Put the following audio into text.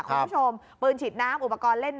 คุณผู้ชมปืนฉีดน้ำอุปกรณ์เล่น